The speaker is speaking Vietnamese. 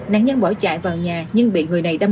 nạn nhân bỏ chạy vào nhà nhưng bị người này đâm